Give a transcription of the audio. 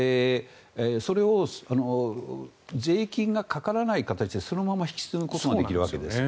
それを税金がかからない形でそのまま引き継ぐことができるわけです。